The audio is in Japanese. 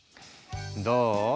どう？